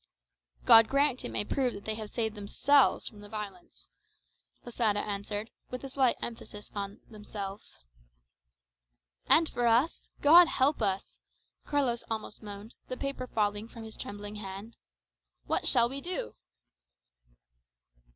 "God grant it may prove that they have saved themselves from its violence," Losada answered, with a slight emphasis on "themselves." "And for us? God help us!" Carlos almost moaned, the paper falling from his trembling hand. "What shall we do?"